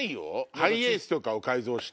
ハイエースとかを改造して。